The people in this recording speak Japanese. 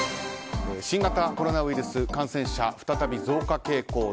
新型コロナウイルス感染者再び増加傾向